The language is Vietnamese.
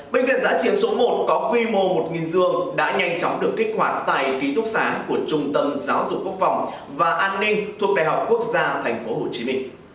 bệnh viện giã chiến số một có quy mô một giường đã nhanh chóng được kích hoạt tại ký túc xá của trung tâm giáo dục quốc phòng và an ninh thuộc đại học quốc gia tp hcm